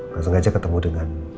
langsung aja ketemu dengan